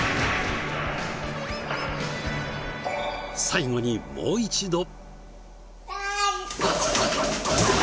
最後にもう一度。